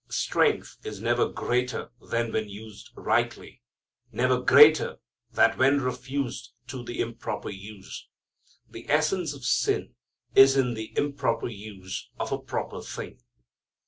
Strength is never greater than when used rightly; never greater than when refused to the improper use. The essence of sin is in the improper use of a proper thing.